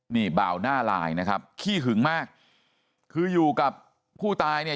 นี่บ่าวหน้าลายนะครับขี้หึงมากคืออยู่กับผู้ตายเนี่ย